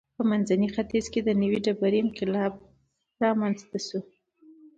په منځني ختیځ کې د نوې ډبرې انقلاب رامنځته شو.